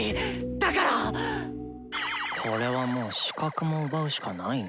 だからこれはもう視覚も奪うしかないなぁ。